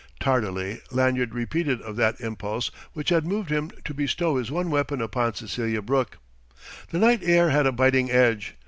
Tardily Lanyard repented of that impulse which had moved him to bestow his one weapon upon Cecelia Brooke. The night air had a biting edge.